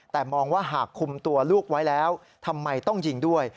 แต่มองว่าหากคุมตัวลูกไว้แล้วทำไมต้องยิงด้วย